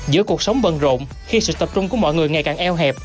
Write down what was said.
giữa cuộc sống bận rộn khi sự tập trung của mọi người ngày càng eo hẹp